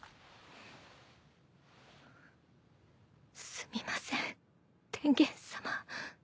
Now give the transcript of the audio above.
すみません天元さま。